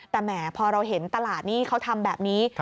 แต่แหมพอเราเห็นตลาดนี่เขาทำแบบนี้